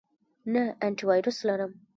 نه، انټی وایرس لرم